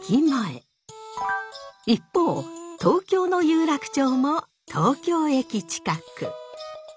一方東京の有楽町も東京駅近く。